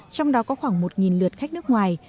trong đó có khoảng một lượt khách nước ngoài